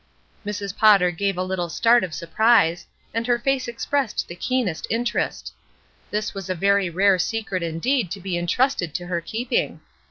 Mrs. Potter gave a little start of surprise, and her face expressed the keenest interest. This was a very rare secret indeed to be intrusted to her keeping.